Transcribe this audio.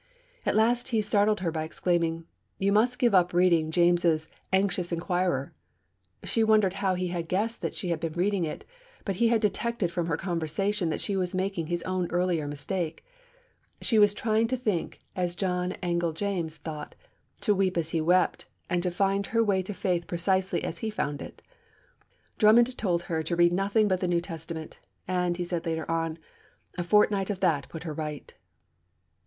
At last he startled her by exclaiming, 'You must give up reading James's Anxious Enquirer.' She wondered how he had guessed that she had been reading it; but he had detected from her conversation that she was making his own earlier mistake. She was trying to think as John Angell James thought, to weep as he wept, and to find her way to faith precisely as he found his. Drummond told her to read nothing but the New Testament, and, he said later on, 'A fortnight of that put her right!'